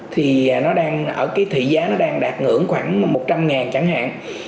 thì nó đang ở cái thị giá nó đang đạt ngưỡng khoảng một trăm linh chẳng hạn